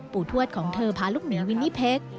ปู่ทวดของเธอพาลูกหนูวินี่เพค